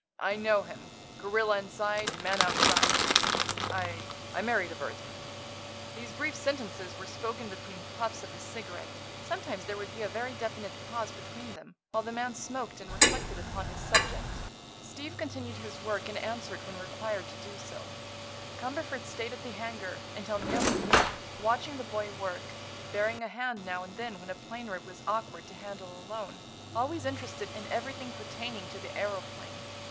I know him. Gorilla inside, man outside. I—I married a Burthon." These brief sentences were spoken between puffs of his cigarette. Sometimes there would be a very definite pause between them, while the man smoked and reflected upon his subject. Steve continued his work and answered when required to do so. Cumberford stayed at the hangar until nearly noon, watching the boy work, bearing a hand now and then when a plane rib was awkward to handle alone, always interested in everything pertaining to the aëroplane.